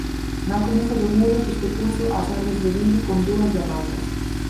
Mal comezo do Muros, este curso, ás ordes de Bibi, con dúas derrotas.